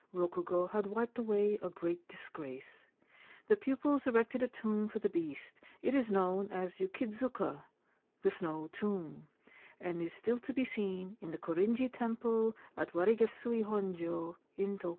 Rokugo had wiped away a great disgrace. The pupils erected a tomb for the beast ; it is known as ' Yukidzuka ' (The Snow Tomb), and is still to be seen in the Korinji Temple at Warigesui Honjo, in Tokio.